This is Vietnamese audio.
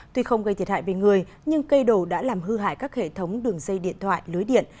tuy không gây thiệt hại về người nhưng cây đổ đã làm hư hại các hệ thống đường dây điện thoại lưới điện